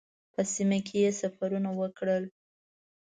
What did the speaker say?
په سیمه کې سفرونه وکړل.